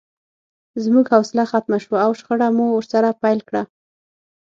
زموږ حوصله ختمه شوه او شخړه مو ورسره پیل کړه